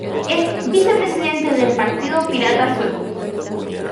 Es vicepresidente del Partido Pirata sueco.